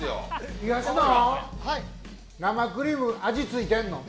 東野生クリーム味ついてるの。